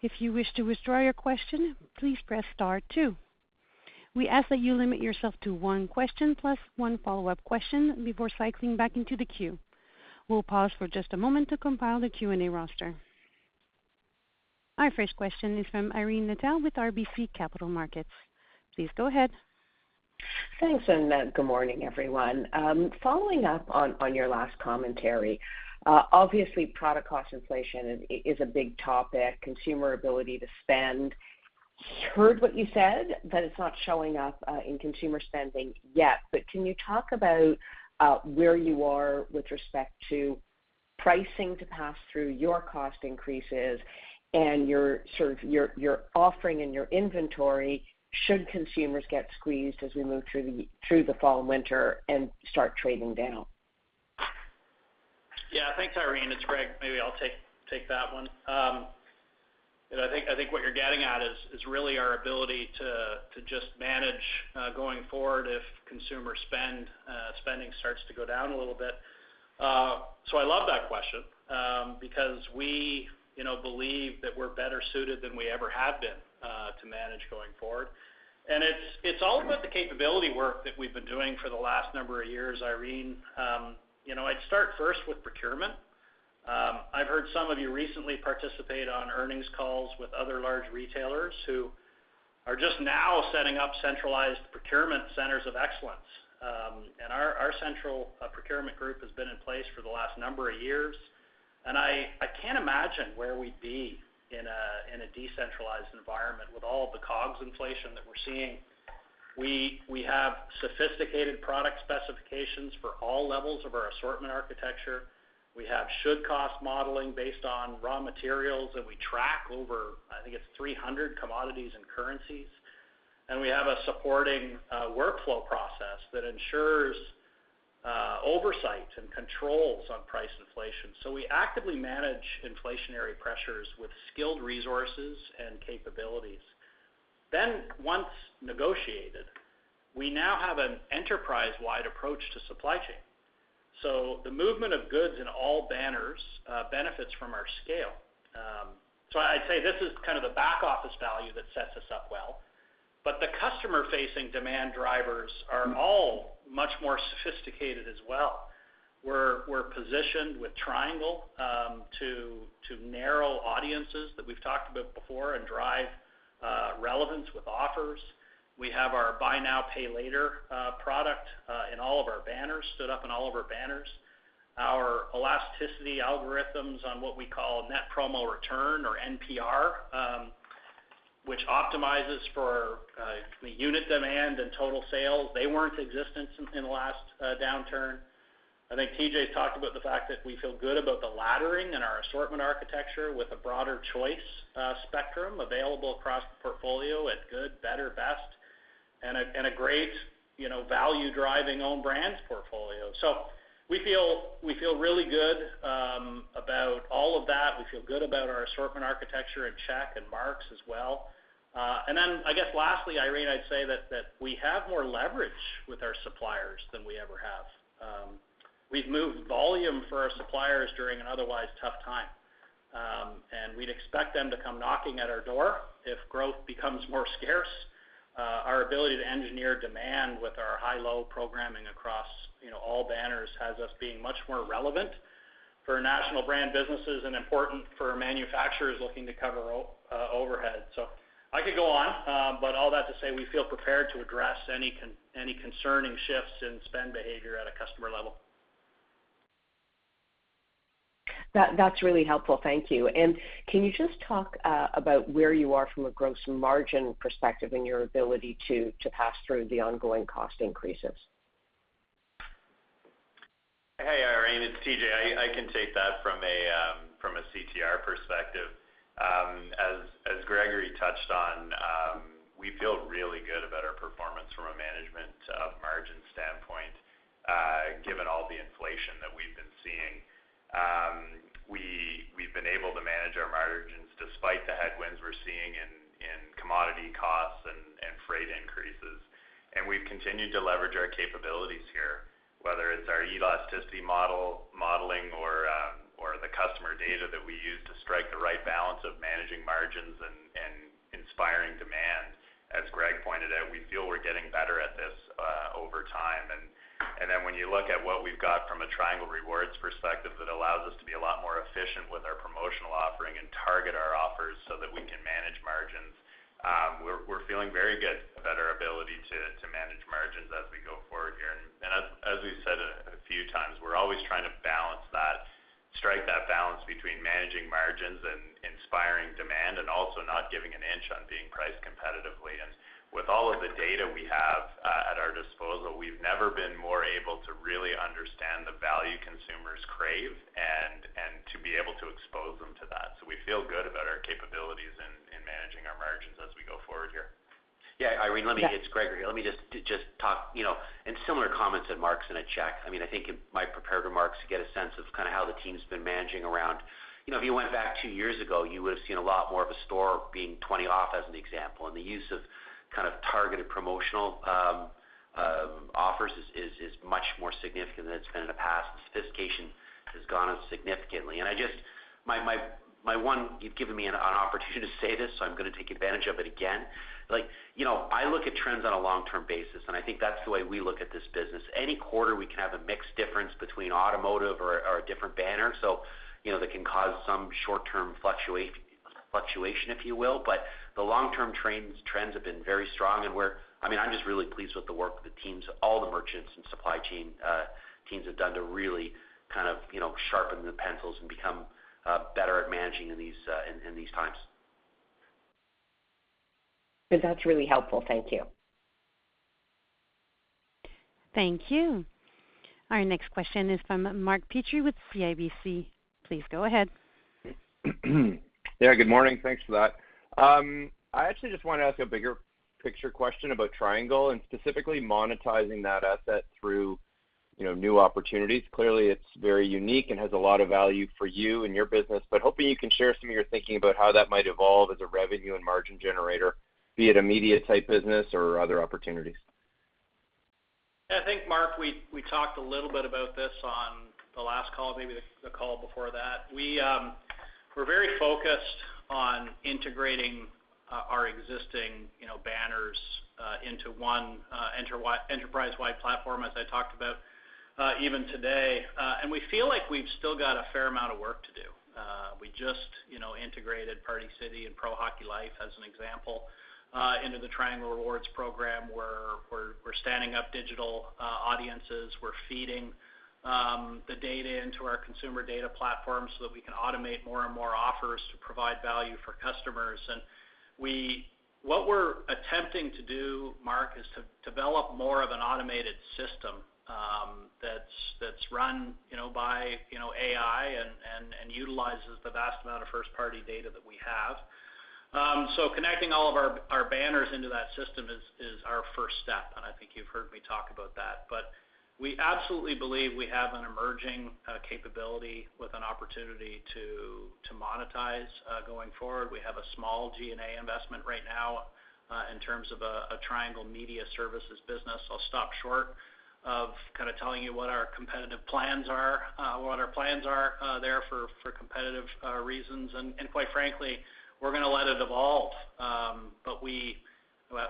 If you wish to withdraw your question, please press star two. We ask that you limit yourself to one question plus one follow-up question before cycling back into the queue. We'll pause for just a moment to compile the Q&A roster. Our first question is from Irene Nattel with RBC Capital Markets. Please go ahead. Thanks, good morning, everyone. Following up on your last commentary, obviously product cost inflation is a big topic, consumer ability to spend. Heard what you said, that it's not showing up in consumer spending yet, but can you talk about where you are with respect to pricing to pass through your cost increases and your sort of your offering and your inventory, should consumers get squeezed as we move through the fall and winter and start trading down? Yeah. Thanks, Irene. It's Greg. Maybe I'll take that one. I think what you're getting at is really our ability to just manage going forward if consumer spending starts to go down a little bit. I love that question, because we, you know, believe that we're better suited than we ever have been to manage going forward. It's all about the capability work that we've been doing for the last number of years, Irene. You know, I'd start first with procurement. I've heard some of you recently participate on earnings calls with other large retailers who are just now setting up centralized procurement centers of excellence. Our central procurement group has been in place for the last number of years. I can't imagine where we'd be in a decentralized environment with all the COGS inflation that we're seeing. We have sophisticated product specifications for all levels of our assortment architecture. We have should-cost modeling based on raw materials that we track over, I think it's 300 commodities and currencies. We have a supporting workflow process that ensures oversight and controls on price inflation. We actively manage inflationary pressures with skilled resources and capabilities. Once negotiated, we now have an enterprise-wide approach to supply chain, so the movement of goods in all banners benefits from our scale. I'd say this is kind of the back office value that sets us up well. The customer-facing demand drivers are all much more sophisticated as well. We're positioned with Triangle to narrow audiences that we've talked about before and drive relevance with offers. We have our buy now, pay later product in all of our banners. Stood up in all of our banners. Our elasticity algorithms on what we call net promo return or NPR, which optimizes for the unit demand and total sales. They weren't in existence in the last downturn. I think TJ talked about the fact that we feel good about the laddering and our assortment architecture with a broader choice spectrum available across the portfolio at good, better, best and a great, you know, value-driving own brands portfolio. We feel really good about all of that. We feel good about our assortment architecture at Sport Chek and Mark's as well. Then I guess lastly, Irene, I'd say that we have more leverage with our suppliers than we ever have. We've moved volume for our suppliers during an otherwise tough time. We'd expect them to come knocking at our door if growth becomes more scarce. Our ability to engineer demand with our high-low programming across, you know, all banners has us being much more relevant for national brand businesses and important for manufacturers looking to cover overhead. I could go on, but all that to say, we feel prepared to address any concerning shifts in spend behavior at a customer level. That's really helpful. Thank you. Can you just talk about where you are from a gross margin perspective and your ability to pass through the ongoing cost increases? Hey, Irene, it's TJ. I can take that from a CTR perspective. As Gregory touched on, we feel really good about our performance from a merchandise margin standpoint, given all the inflation that we've been seeing. We've been able to manage our margins despite the headwinds we're seeing in commodity costs and freight increases. We've continued to leverage our capabilities here, whether it's our elasticity modeling or the customer data that we use to strike the right balance of managing margins and inspiring demand. As Greg pointed out, we feel we're getting better at this over time. Then when you look at what we've got from a Triangle Rewards perspective, that allows us to be a lot more efficient with our promotional offering and target our offers so that we can manage margins. We're feeling very good about our ability to manage margins as we go forward here. As we said a few times, we're always trying to strike that balance between managing margins and inspiring demand, and also not giving an inch on being priced competitively. With all of the data we have at our disposal, we've never been more able to really understand the value consumers crave and to be able to expose them to that. We feel good about our capabilities in managing our margins as we go forward here. Yeah, Irene, let me Yeah. It's Gregory. Let me just talk, you know, and similar comments that Mark is gonna make. I mean, I think in my prepared remarks, you get a sense of kind of how the team's been managing around. You know, if you went back two years ago, you would've seen a lot more of a store being 20% off, as an example, and the use of kind of targeted promotional offers is much more significant than it's been in the past. The sophistication has gone up significantly. You've given me an opportunity to say this, so I'm gonna take advantage of it again. Like, you know, I look at trends on a long-term basis, and I think that's the way we look at this business. Any quarter, we can have a mixed difference between automotive or a different banner, so, you know, that can cause some short-term fluctuation, if you will. But the long-term trends have been very strong, and I mean, I'm just really pleased with the work the teams, all the merchants and supply chain teams have done to really kind of, you know, sharpen the pencils and become better at managing in these times. That's really helpful. Thank you. Thank you. Our next question is from Mark Petrie with CIBC. Please go ahead. Yeah, good morning. Thanks for that. I actually just wanna ask a bigger picture question about Triangle and specifically monetizing that asset through, you know, new opportunities. Clearly, it's very unique and has a lot of value for you and your business, but hoping you can share some of your thinking about how that might evolve as a revenue and margin generator, be it a media type business or other opportunities. I think, Mark, we talked a little bit about this on the last call, maybe the call before that. We're very focused on integrating our existing, you know, banners into one enterprise-wide platform, as I talked about even today. We feel like we've still got a fair amount of work to do. We just, you know, integrated Party City and Pro Hockey Life, as an example, into the Triangle Rewards program, where we're standing up digital audiences. We're feeding the data into our consumer data platform so that we can automate more and more offers to provide value for customers. What we're attempting to do, Mark, is to develop more of an automated system that's run, you know, by AI and utilizes the vast amount of first-party data that we have. So connecting all of our banners into that system is our first step, and I think you've heard me talk about that. We absolutely believe we have an emerging capability with an opportunity to monetize going forward. We have a small SG&A investment right now in terms of a Triangle media services business. I'll stop short of kind of telling you what our plans are there for competitive reasons. Quite frankly, we're gonna let it evolve.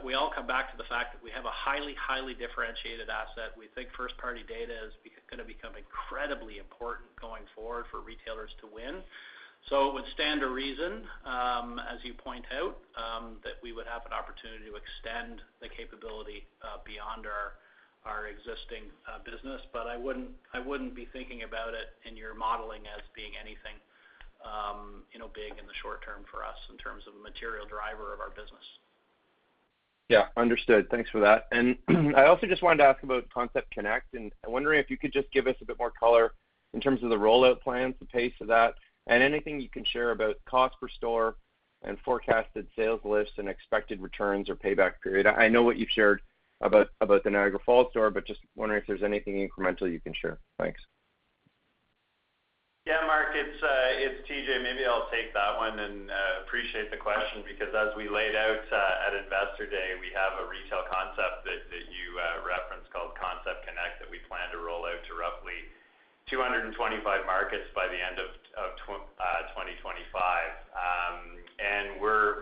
We all come back to the fact that we have a highly differentiated asset. We think first-party data is gonna become incredibly important going forward for retailers to win. It would stand to reason, as you point out, that we would have an opportunity to extend the capability beyond our existing business. I wouldn't be thinking about it in your modeling as being anything, you know, big in the short term for us in terms of a material driver of our business. Yeah. Understood. Thanks for that. I also just wanted to ask about Concept Connect, and I'm wondering if you could just give us a bit more color in terms of the rollout plans, the pace of that, and anything you can share about cost per store and forecasted sales lifts and expected returns or payback period. I know what you've shared about the Niagara Falls store, but just wondering if there's anything incremental you can share. Thanks. Yeah, Mark, it's TJ. Maybe I'll take that one and appreciate the question because as we laid out at Investor Day, we have a retail concept that you referenced called Concept Connect that we plan to roll out to roughly 225 markets by the end of 2025.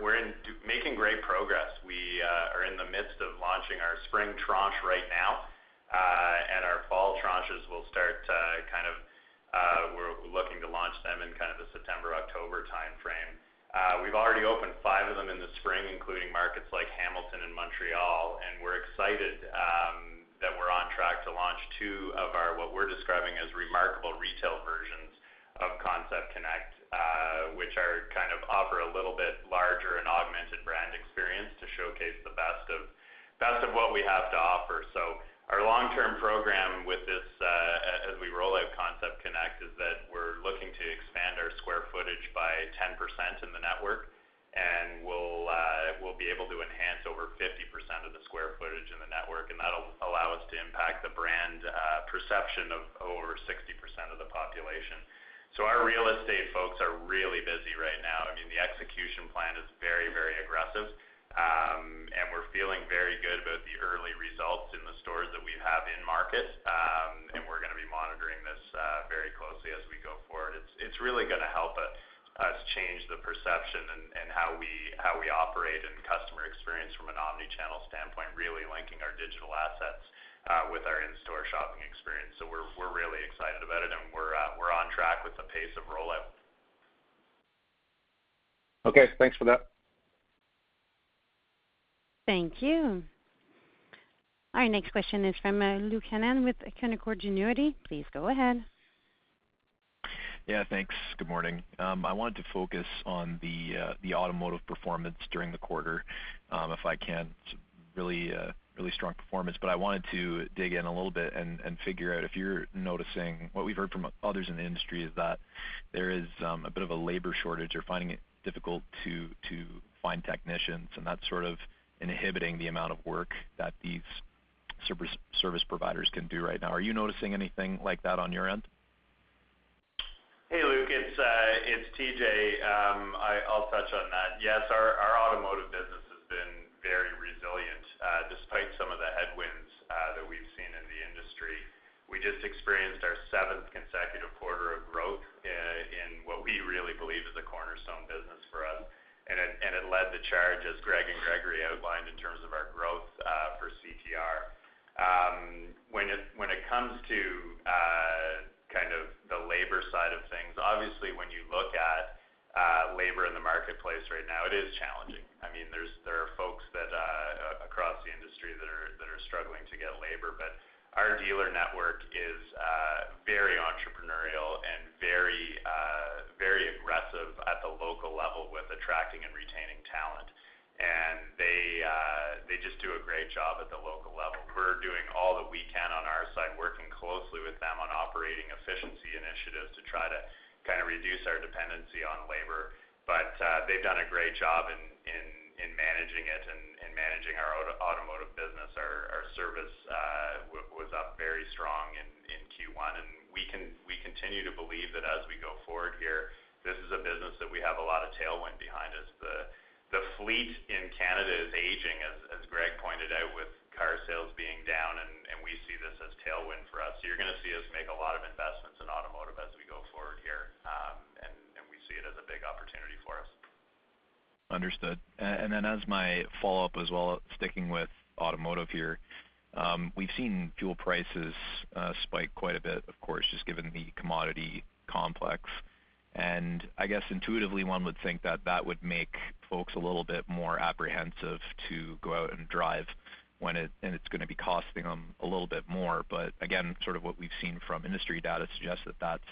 We're making great progress. We are in the midst of launching our spring tranche right now, and our fall tranches will start to kind of, we're looking to launch them in kind of the September-October timeframe. We've already opened five of them in the spring, including markets like Hamilton and Montreal, and we're excited that we're on track to launch two of our what we're describing as remarkable retail versions of Concept Connect, which are kind of offer a little bit larger and augmented brand experience to showcase the best of what we have to offer. Our long-term program with this, as we roll out Concept Connect, is that we're looking to expand our square footage by 10% in the network, and we'll be able to enhance over 50% of the square footage in the network, and that'll allow us to impact the brand perception of over 60% of the population. Our real estate folks are really busy right now. I mean, the execution plan is very, very aggressive, and we're feeling very good about the early results in the stores that we have in market, and we're gonna be monitoring this very closely as we go forward. It's really gonna help us change the perception and how we operate and customer experience from an omnichannel standpoint, really linking our digital assets with our in-store shopping experience. We're really excited about it and we're on track with the pace of rollout. Okay. Thanks for that. Thank you. Our next question is from Luke Hannan with Canaccord Genuity. Please go ahead. Yeah, thanks. Good morning. I wanted to focus on the automotive performance during the quarter, if I can. It's really strong performance, but I wanted to dig in a little bit and figure out if you're noticing what we've heard from others in the industry is that there is a bit of a labor shortage or finding it difficult to find technicians, and that's sort of inhibiting the amount of work that these service providers can do right now. Are you noticing anything like that on your end? Hey, Luke. It's TJ. I'll touch on that. Yes, our automotive business has been very resilient despite some of the headwinds that we've seen in the industry. We just experienced our seventh consecutive quarter of growth in what we really believe is a cornerstone business for us. It led the charge, as Greg and Gregory outlined, in terms of our growth for CTR. When it comes to kind of the labor side of things, obviously, when you look at labor in the marketplace right now, it is challenging. I mean, there are folks across the industry that are struggling to get labor. Our dealer network is very entrepreneurial and very aggressive at the local level with attracting and retaining talent. They just do a great job at the local level. We're doing all that we can on our side, working closely with them on operating efficiency initiatives to try to kind of reduce our dependency on labor. They've done a great job in managing it and managing our automotive business. Our service was up very strong in Q1, and we continue to believe that as we go forward here, this is a business that we have a lot of tailwind behind us. The fleet in Canada is aging, as Greg pointed out, with car sales being down, and we see this as tailwind for us. You're gonna see us make a lot of investments in automotive as we go forward here, and we see it as a big opportunity for us. Understood. Then as my follow-up as well, sticking with automotive here, we've seen fuel prices spike quite a bit, of course, just given the commodity complex. I guess intuitively one would think that would make folks a little bit more apprehensive to go out and drive when it and it's gonna be costing them a little bit more. Again, sort of what we've seen from industry data suggests that that's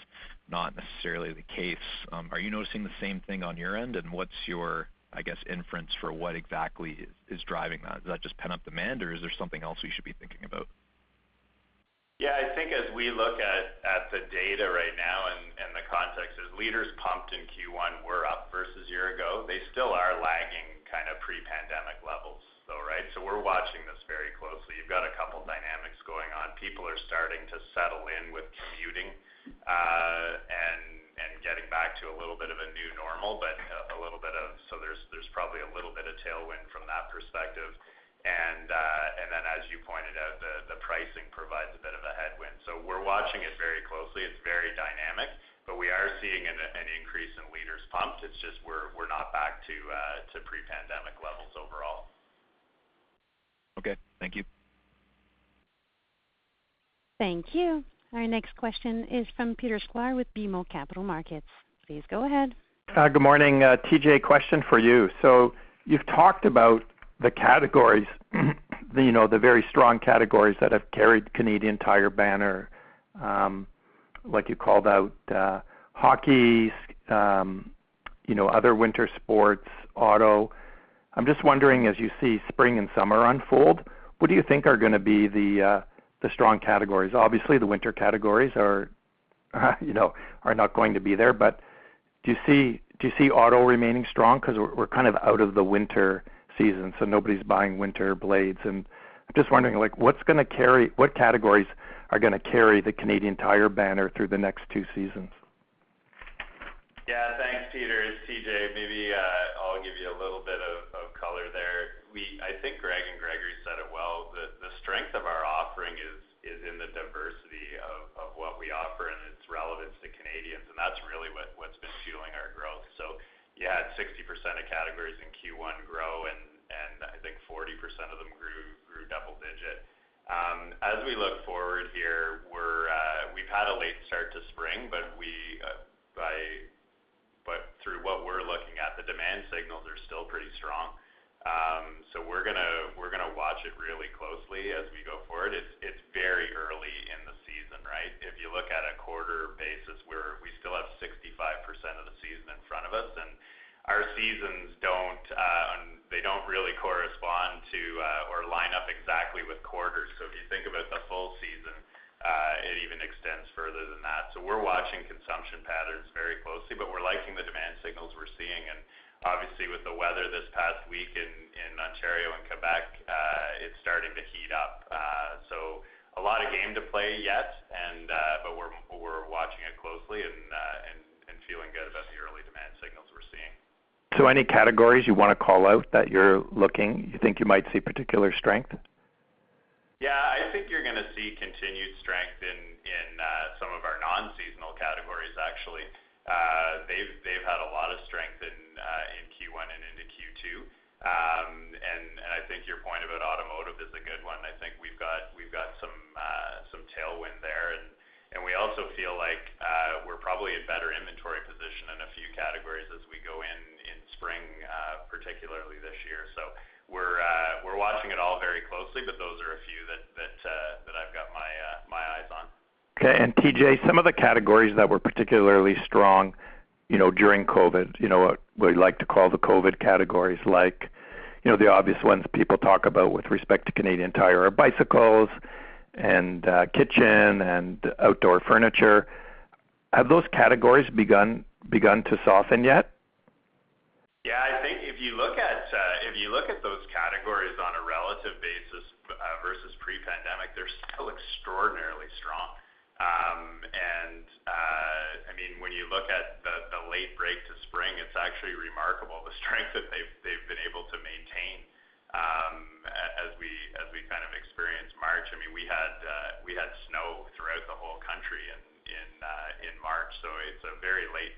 not necessarily the case. Are you noticing the same thing on your end? What's your, I guess, inference for what exactly is driving that? Is that just pent-up demand, or is there something else we should be thinking about? Yeah, I think as we look at the data right now and the context is liters pumped in Q1 were up versus year ago. They still are lagging kind of pre-pandemic levels, though, right? We're watching this very closely. You've got a couple dynamics going on. People are starting to settle in with commuting and getting back to a little bit of a new normal, but there's probably a little bit of tailwind from that perspective. Then as you pointed out, the pricing provides a bit of a headwind. We're watching it very closely. It's very dynamic, but we are seeing an increase in liters pumped. It's just we're not back to pre-pandemic levels overall. Okay. Thank you. Thank you. Our next question is from Peter Sklar with BMO Capital Markets. Please go ahead. Good morning. TJ, question for you. You've talked about the categories, you know, the very strong categories that have carried Canadian Tire banner, like you called out, hockey, you know, other winter sports, auto. I'm just wondering, as you see spring and summer unfold, what do you think are gonna be the strong categories? Obviously, the winter categories are, you know, not going to be there, but do you see auto remaining strong because we're kind of out of the winter season, so nobody's buying winter blades. I'm just wondering, like, what categories are gonna carry the Canadian Tire banner through the next two seasons? Yeah. Thanks, Peter. It's TJ. Maybe I'll give you a little bit of color there. I think Greg and Gregory strength? Yeah. I think you're gonna see continued strength in some of our non-seasonal categories actually. They've had a lot of strength in Q1 and into Q2. I think your point about automotive is a good one. I think we've got some tailwind there. We also feel like we're probably at better inventory position in a few categories as we go in spring, particularly this year. We're watching it all very closely, but those are a few that I've got my eyes on. Okay. TJ, some of the categories that were particularly strong, you know, during COVID, you know, what we like to call the COVID categories, like, you know, the obvious ones people talk about with respect to Canadian Tire are bicycles and, kitchen, and outdoor furniture. Have those categories begun to soften yet? Yeah. I think if you look at those categories on a relative basis versus pre-pandemic, they're still extraordinarily strong. I mean, when you look at the late break to spring, it's actually remarkable the strength that they've been able to maintain as we kind of experience March. I mean, we had snow throughout the whole country in March, so it's a very late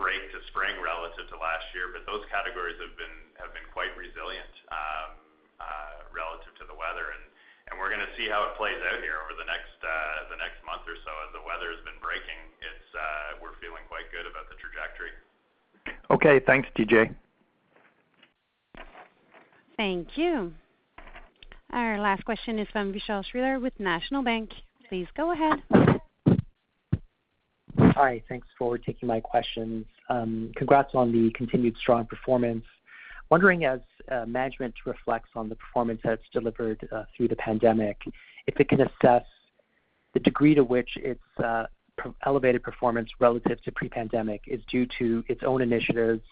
break to spring relative to last year. Those categories have been quite resilient relative to the weather. We're gonna see how it plays out here over the next month or so as the weather's been breaking. We're feeling quite good about the trajectory. Okay, thanks, TJ. Thank you. Our last question is from Vishal Shreedhar with National Bank Financial. Please go ahead. Hi. Thanks for taking my questions. Congrats on the continued strong performance. Wondering as management reflects on the performance that's delivered through the pandemic, if it can assess the degree to which its elevated performance relative to pre-pandemic is due to its own initiatives,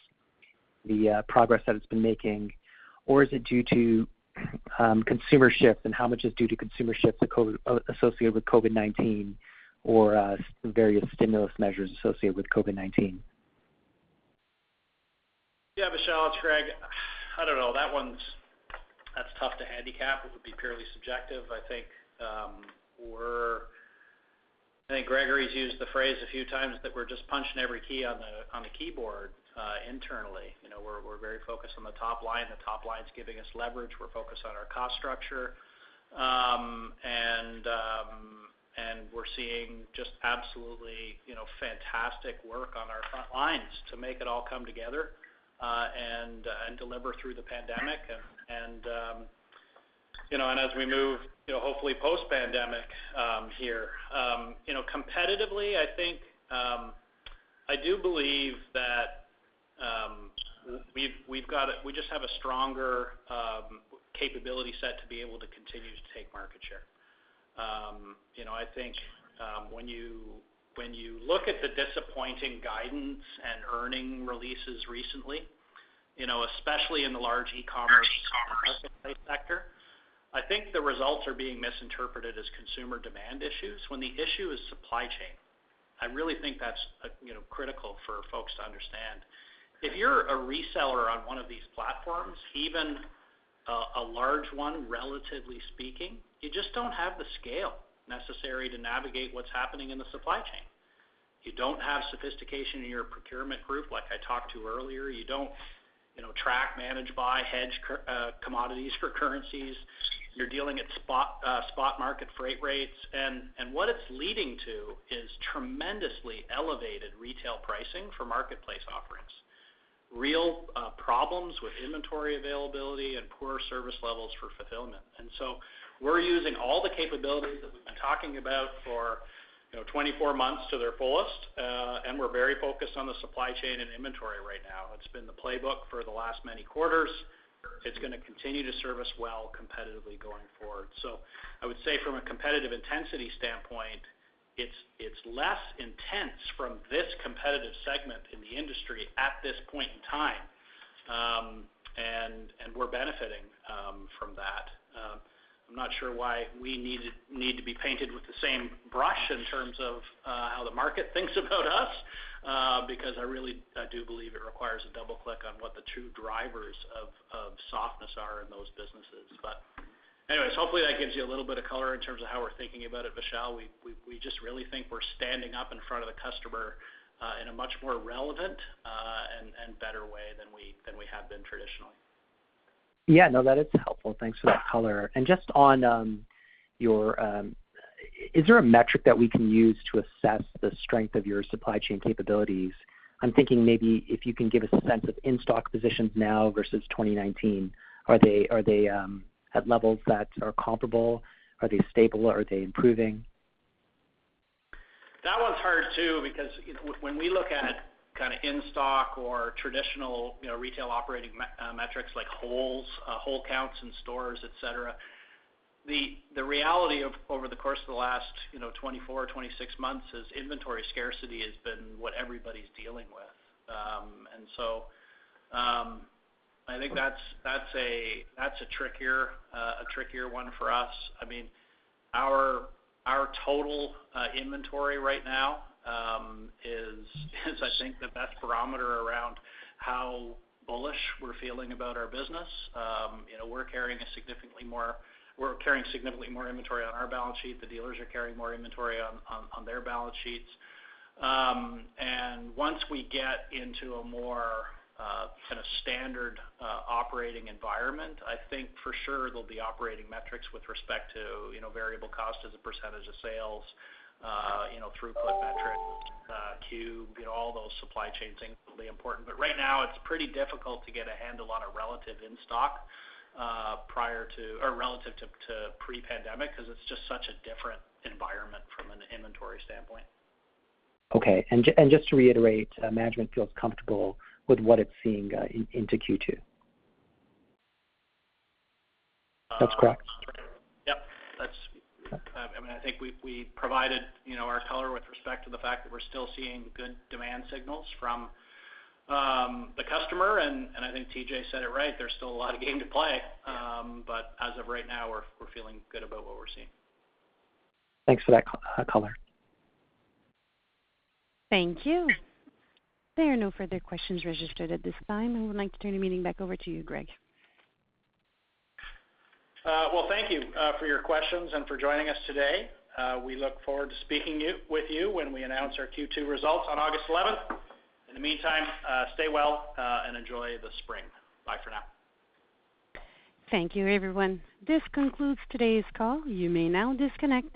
the progress that it's been making, or is it due to consumer shift? How much is due to consumer shift associated with COVID-19 or various stimulus measures associated with COVID-19? Yeah, Vishal, it's Greg. I don't know. That's tough to handicap. It would be purely subjective. I think Gregory's used the phrase a few times that we're just punching every key on the keyboard internally. You know, we're very focused on the top line. The top line's giving us leverage. We're focused on our cost structure. We're seeing just absolutely, you know, fantastic work on our front lines to make it all come together, and deliver through the pandemic. You know, as we move, you know, hopefully post-pandemic, here. You know, competitively, I think I do believe that we just have a stronger capability set to be able to continue to take market share. You know, I think, when you look at the disappointing guidance and earnings releases recently, you know, especially in the large e-commerce marketplace sector, I think the results are being misinterpreted as consumer demand issues when the issue is supply chain. I really think that's, you know, critical for folks to understand. If you're a reseller on one of these platforms, even a large one, relatively speaking, you just don't have the scale necessary to navigate what's happening in the supply chain. You don't have sophistication in your procurement group like I talked to earlier. You don't, you know, track, manage, buy, hedge commodities for currencies. You're dealing at spot market freight rates. What it's leading to is tremendously elevated retail pricing for marketplace offerings, real problems with inventory availability and poor service levels for fulfillment. We're using all the capabilities that we've been talking about for, you know, 24 months to their fullest, and we're very focused on the supply chain and inventory right now. It's been the playbook for the last many quarters. It's gonna continue to serve us well competitively going forward. I would say from a competitive intensity standpoint, it's less intense from this competitive segment in the industry at this point in time, and we're benefiting from that. I'm not sure why we need to be painted with the same brush in terms of how the market thinks about us, because I really do believe it requires a double click on what the true drivers of softness are in those businesses. Anyways, hopefully that gives you a little bit of color in terms of how we're thinking about it, Vishal. We just really think we're standing up in front of the customer, in a much more relevant, and better way than we have been traditionally. Yeah. No. That is helpful. Thanks for that color. Just on your... Is there a metric that we can use to assess the strength of your supply chain capabilities? I'm thinking maybe if you can give us a sense of in-stock positions now versus 2019. Are they at levels that are comparable? Are they stable? Are they improving? That one's hard too, because, you know, when we look at kind of in-stock or traditional, you know, retail operating metrics like holes, hole counts in stores, et cetera, the reality of over the course of the last, you know, 24, 26 months is inventory scarcity has been what everybody's dealing with. I think that's a trickier one for us. I mean, our total inventory right now is I think the best barometer around how bullish we're feeling about our business. You know, we're carrying significantly more inventory on our balance sheet. The dealers are carrying more inventory on their balance sheets. Once we get into a more kind of standard operating environment, I think for sure there'll be operating metrics with respect to, you know, variable cost as a percentage of sales, you know, throughput metrics, to, you know, all those supply chain things will be important. But right now, it's pretty difficult to get a handle on a relative in-stock, prior to or relative to pre-pandemic 'cause it's just such a different environment from an inventory standpoint. Okay. Just to reiterate, management feels comfortable with what it's seeing into Q2? Uh. That's correct. That's right. Yep. Okay. I mean, I think we provided, you know, our color with respect to the fact that we're still seeing good demand signals from the customer. I think TJ said it right. There's still a lot of game to play. As of right now, we're feeling good about what we're seeing. Thanks for that color. Thank you. There are no further questions registered at this time. I would like to turn the meeting back over to you, Greg. Well, thank you for your questions and for joining us today. We look forward to speaking with you when we announce our Q2 results on August eleventh. In the meantime, stay well and enjoy the spring. Bye for now. Thank you, everyone. This concludes today's call. You may now disconnect.